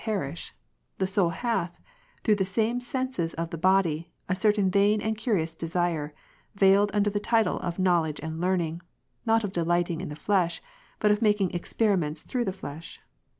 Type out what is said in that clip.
73, 2)erish, the soul hath, through the same senses of the body, a certain vain and curious desire, veiled under the title of knowledge and learning, not of delighting in the flesh, but of making experiments through the flesh.